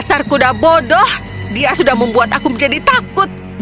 pasar kuda bodoh dia sudah membuat aku menjadi takut